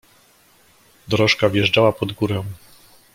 "Dorożka wjeżdżała pod górę!"